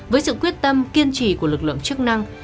với sự quyết tâm kiên trì của lực lượng chức năng